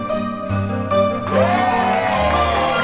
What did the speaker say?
dan semangat bersama senyawa